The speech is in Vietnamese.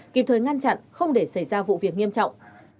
kịp thời ngăn chặn không để xảy ra vụ việc nghiêm trọng